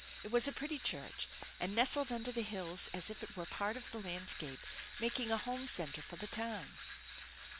It was a pretty church, and nestled under the hills as if it were part of the landscape, making a home centre for the town.